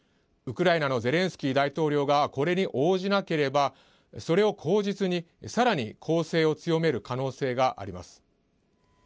ウクライナのゼレンスキー大統領がこれに応じなければそれを口実に、さらに攻勢を強める可能性があります。